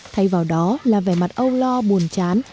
thay vào đó là vẻ mặt âu lo buồn